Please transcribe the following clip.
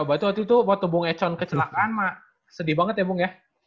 berarti waktu itu waktu bung econ kecelakaan sedih banget ya bung ya